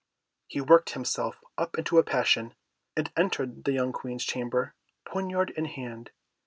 He worked himself up into a passion, and entered the young Queen's chamber poniard in hand.